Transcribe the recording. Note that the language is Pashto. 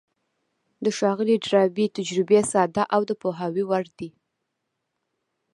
د ښاغلي ډاربي تجربې ساده او د پوهاوي وړ دي.